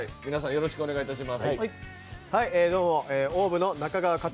よろしくお願いします。